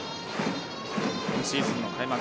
今シーズンの開幕